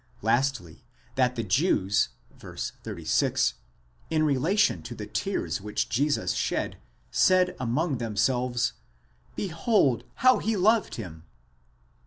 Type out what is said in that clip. Lastly, that the Jews {v. 36) in relation to the tears which Jesus shed, said among themselves, Behold, how he loved him!